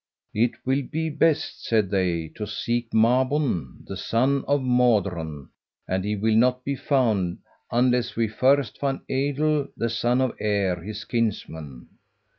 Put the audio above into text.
"It will be best," said they, "to seek Mabon the son of Modron; and he will not be found unless we first find Eidoel, the son of Aer, his kinsman."